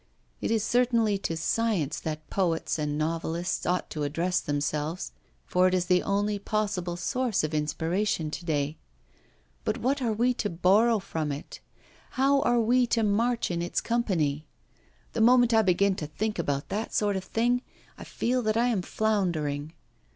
It is certainly to science that poets and novelists ought to address themselves, for it is the only possible source of inspiration to day. But what are we to borrow from it? How are we to march in its company? The moment I begin to think about that sort of thing I feel that I am floundering.